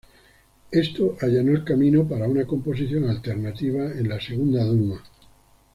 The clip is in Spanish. Esto allanó el camino para una composición alternativa en la Segunda Duma.